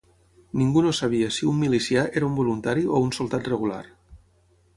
Ningú no sabia si un milicià era un voluntari o un soldat regular